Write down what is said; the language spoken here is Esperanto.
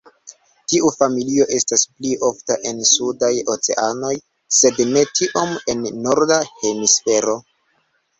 Tiu familio estas pli ofta en sudaj oceanoj sed ne tiom en Norda hemisfero.